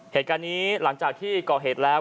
เหตุการณ์นี้หลังจากที่ก่อเหตุแล้ว